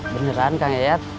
benar kang ed